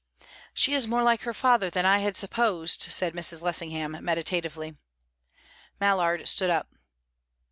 "She is more like her father than I had supposed," said Mrs. Lessingham, meditatively. Mallard stood up.